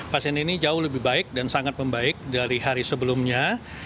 pasien ini jauh lebih baik dan sangat membaik dari hari sebelumnya